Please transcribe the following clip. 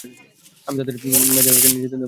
আমি তাদের আমার মেয়েকে নিয়ে যেতে দেব না।